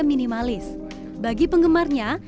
minimalis bagi penggemarnya